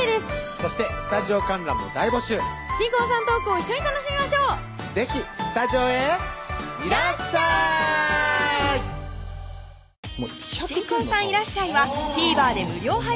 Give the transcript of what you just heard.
そしてスタジオ観覧も大募集新婚さんのトークを一緒に楽しみましょう是非スタジオへいらっしゃい新婚さんいらっしゃい！はＴＶｅｒ